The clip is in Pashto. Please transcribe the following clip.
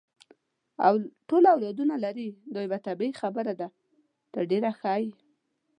ټول اولادونه لري، دا یوه طبیعي خبره ده، ته ډېره ښه یې.